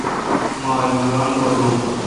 مہ الوگان بھویون